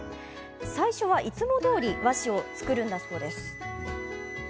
最初は、いつもどおり和紙を作るんだそうです。